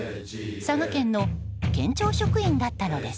佐賀県の県庁職員だったのです。